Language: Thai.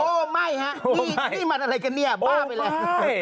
ไม่ฮะนี่มันอะไรกันเนี่ยบ้าไปแล้ว